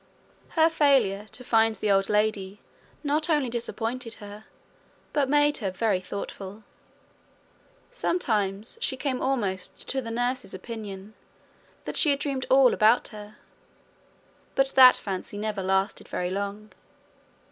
Her failure to find the old lady not only disappointed her, but made her very thoughtful. Sometimes she came almost to the nurse's opinion that she had dreamed all about her; but that fancy never lasted very long.